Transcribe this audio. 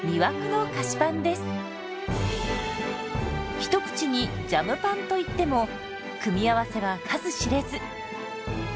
一口に「ジャムパン」といっても組み合わせは数知れず。